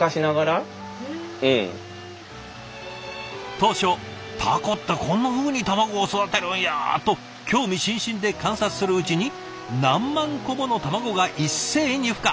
当初「タコってこんなふうに卵を育てるんや」と興味津々で観察するうちに何万個もの卵が一斉にふ化。